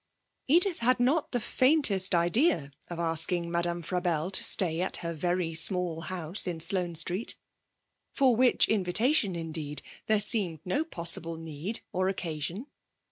Edith had not had the faintest idea of asking Madame Frabelle to stay at her very small house in Sloane Street, for which invitation, indeed, there seemed no possible need or occasion.